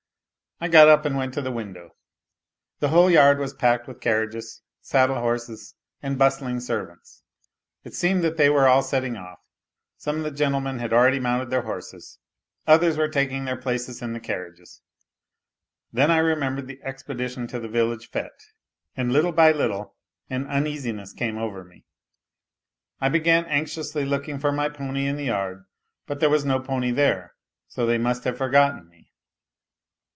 I got up and went to the window. The whole yard was packed with carriages, saddle horses, and bustling servants. It seemed that they were all setting off; some of the gentlemen had already mounted their horses, others were taking their places in the carriages. ... Then I remembered the expedition to the village fdte, and little by little an uneasiness came over me; I began anxiously looking for my pony in the yard; but there was no pony there, so they must have forgotten me.